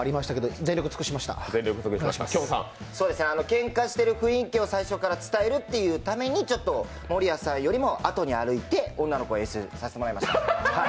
けんかしてる雰囲気を最初から伝えるというためにちょっと守谷さんよりも後に歩いて、女の子を演出させてもらいました。